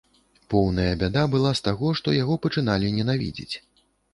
Поўная бяда была з таго, што яго пачыналі ненавідзець.